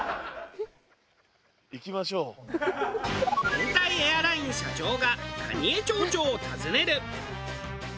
変態エアライン社長が蟹江町長を訪ねる。